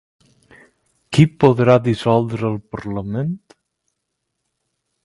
Qui podrà dissoldre el parlament?